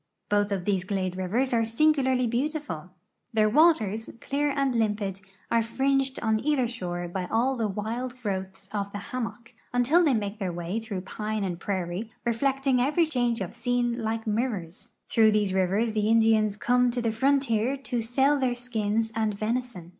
Both of these glade rivers are singularly beautiful. Their waters, clear and limpid, are fringed on either shore by all the wild growths of the hammock, until they make their way through pine and prairie, reflecting every change of scene like mirrors. Through these rivers the Indians come to the frontier to sell their skins and venison.